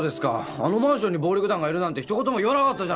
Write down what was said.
あのマンションに暴力団がいるなんてひと言も言わなかったじゃないすか。